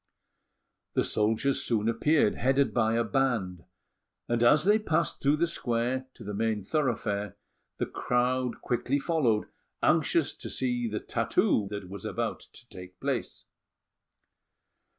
The soldiers soon appeared, headed by a band; and as they passed through the square to the main thoroughfare, the crowd quickly followed, anxious to see the tattoo that was about to take place.